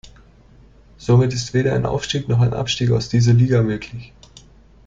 Somit ist weder ein Aufstieg, noch ein Abstieg aus dieser Liga möglich.